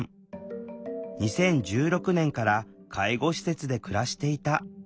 ２０１６年から介護施設で暮らしていた。